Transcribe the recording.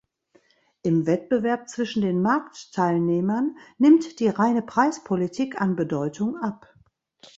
Im Wettbewerb zwischen den Marktteilnehmern nimmt die reine Preispolitik an Bedeutung ab.